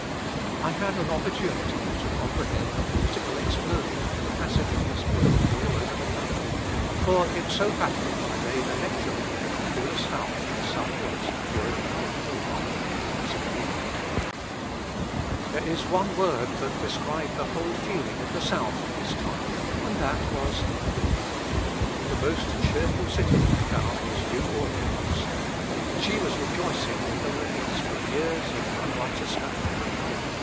I had an opportunity to comprehend the political explosion of the passage of this Bill all over the country, for it so happened I made a lecturing trip through the South and South west during the month of March, 1878. There is one word that described the whole feeling in the South at this time, and that was "hope." The most cheerful city, I found, was New Orleans. She was rejoicing in the release from years of unrighteous government.